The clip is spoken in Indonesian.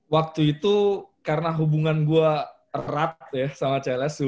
waktu itu karena hubungan gue erat ya sama clsu